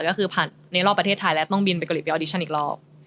ก็คือผ่านในรอบประเทศไทยแล้วต้องบินไปเกาหลีไปออดิชันอีกรอบ